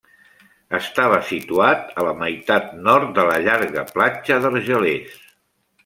Estava situat a la meitat nord de la llarga platja d'Argelers.